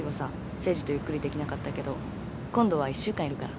誠治とゆっくりできなかったけど今度は１週間いるから。